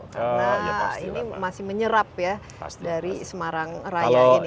karena ini masih menyerap ya dari semarang raya ini